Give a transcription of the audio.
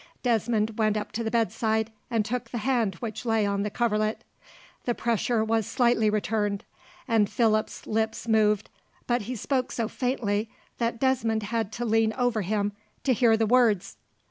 Desmond went up to the bedside, and took the hand which lay on the coverlet. The pressure was slightly returned, and Philip's lips moved, but he spoke so faintly that Desmond had to lean over him, to hear the words.